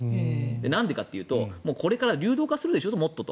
なんでかというとこれから流動化するでしょと。